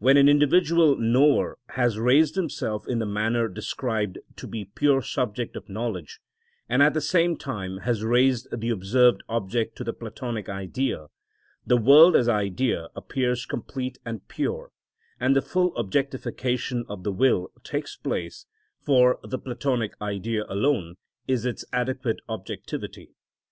When an individual knower has raised himself in the manner described to be pure subject of knowledge, and at the same time has raised the observed object to the Platonic Idea, the world as idea appears complete and pure, and the full objectification of the will takes place, for the Platonic Idea alone is its adequate objectivity.